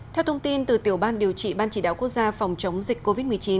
theo thông tin từ tiểu ban điều trị ban chỉ đạo quốc gia phòng chống dịch covid một mươi chín